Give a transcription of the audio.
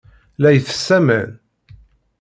La itess aman.